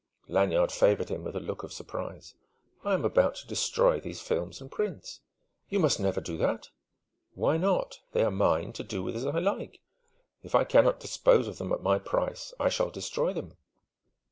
Lanyard favoured him with a look of surprise. "I am about to destroy these films and prints." "You must never do that!" "Why not? They are mine, to do with as I like. If I cannot dispose of them at my price, I shall destroy them!"